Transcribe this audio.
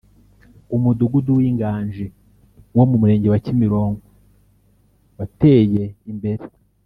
Umudugudu w’Inganji wo mu Murenge wa Kimironko wateye imbere